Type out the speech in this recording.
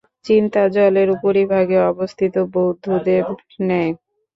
চিন্তা জলের উপরিভাগে অবস্থিত বুদ্বুদের ন্যায়।